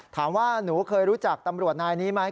ถามว่าหนูเคยรู้จักตำรวจนายนี้ไหม